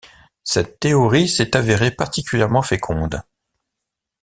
Cette théorie s'est avérée particulièrement féconde.